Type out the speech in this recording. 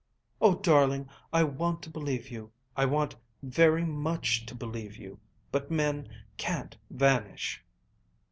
"Oh, darling, I want to believe you. I want very much to believe you; but men can't vanish."